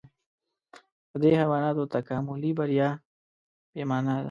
د دې حیواناتو تکاملي بریا بې مانا ده.